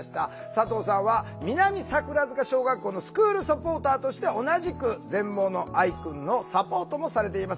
佐藤さんは南桜塚小学校のスクールサポーターとして同じく全盲の愛くんのサポートもされています。